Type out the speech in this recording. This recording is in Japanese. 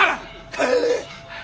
帰れ！